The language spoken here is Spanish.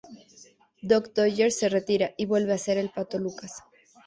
Duck Dodgers se retira y vuelve a ser el Pato Lucas.